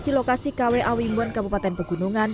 di lokasi kw awimbon kabupaten pegunungan